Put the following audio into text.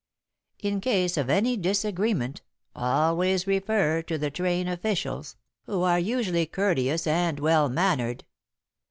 In case of any disagreement, always refer to the train officials, who are usually courteous and well mannered.